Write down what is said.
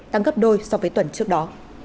tăng gấp đôi so với tuần trước đó